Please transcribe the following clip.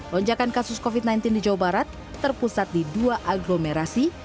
lonjakan kasus covid sembilan belas di jawa barat terpusat di dua aglomerasi